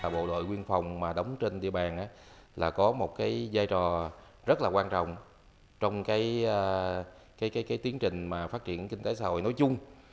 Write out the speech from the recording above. bộ đội biên phòng mà đóng trên địa bàn là có một giai trò rất là quan trọng trong tiến trình phát triển kinh tế xã hội nói chung